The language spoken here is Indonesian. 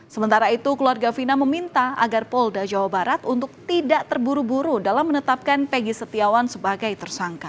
sementara itu keluarga fina meminta agar polda jawa barat untuk tidak terburu buru dalam menetapkan peggy setiawan sebagai tersangka